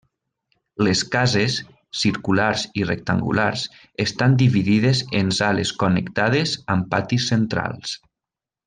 Les cases, circulars i rectangulars, estan dividides en sales connectades amb patis centrals.